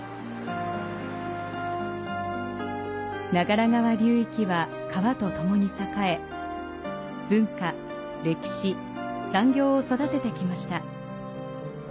長良川流域は、川とともに栄え、文化、歴史、産業を育ててきました。